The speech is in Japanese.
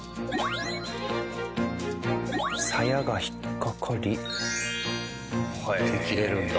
サヤが引っかかり。で切れるんだ。